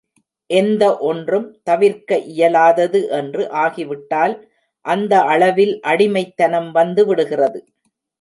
எந்த ஒன்றும் தவிர்க்க இயலாதது என்று ஆகிவிட்டால் அந்த அளவில் அடிமைத்தனம் வந்து விடுகிறது.